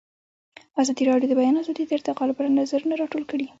ازادي راډیو د د بیان آزادي د ارتقا لپاره نظرونه راټول کړي.